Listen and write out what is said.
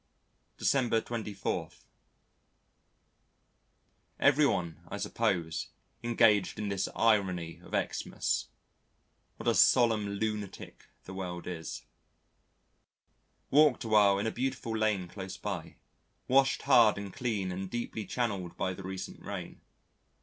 December 24. Everyone I suppose engaged in this irony of Xmas. What a solemn lunatic the world is. Walked awhile in a beautiful lane close by, washed hard and clean and deeply channelled by the recent rain.